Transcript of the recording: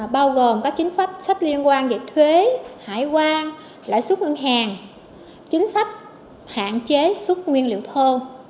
bao gồm các chính sách liên quan về thuế hải quan lãi xuất ngân hàng chính sách hạn chế xuất nguyên liệu thơ